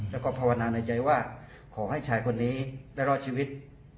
แล้วก็ภาวนาในใจว่าขอให้ชายคนนี้ได้รอดชีวิต